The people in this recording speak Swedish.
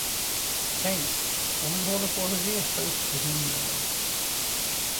Tänk, om vi håller på att resa upp till himlen!